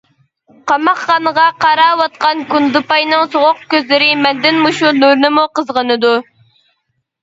قاماقخانىغا قاراۋاتقان گۇندىپاينىڭ سوغۇق كۆزلىرى مەندىن مۇشۇ نۇرنىمۇ قىزغىنىدۇ.